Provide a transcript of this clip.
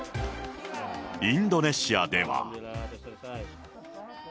インドネシアでは。